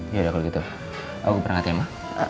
ya udah kalau gitu aku berangkat ya ma